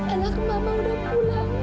anak mama udah pulang